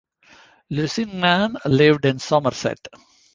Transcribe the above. Lusignan lived in Somerset.